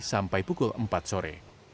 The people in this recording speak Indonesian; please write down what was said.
sampai pukul empat sore